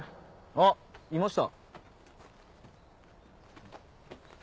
あっいました。